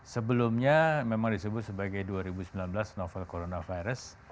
sebelumnya memang disebut sebagai dua ribu sembilan belas novel coronavirus